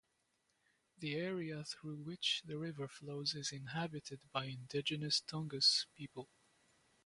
The area through which the river flows is inhabited by indigenous Tungus people.